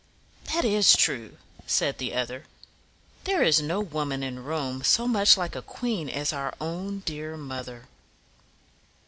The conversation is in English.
"That is true," said the other. "There is no woman in Rome so much like a queen as our own dear mother."